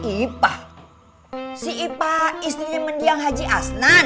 ipah si ipa istrinya mendiang haji asnan